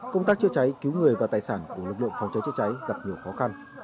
công tác chữa cháy cứu người và tài sản của lực lượng phòng cháy chữa cháy gặp nhiều khó khăn